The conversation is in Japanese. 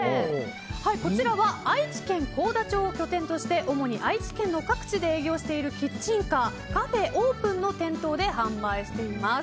こちらは愛知県幸田町を拠点として主に愛知県の各地で営業しているキッチンカーｃａｆｅＯＰＥＮの店頭で販売しています。